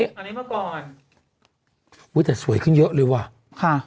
อันนี้เมื่อก่อนอุ้ยแต่สวยขึ้นเยอะเลยว่ะค่ะ